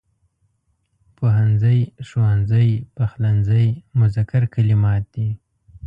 پوهنځی، ښوونځی، پخلنځی مذکر کلمات دي.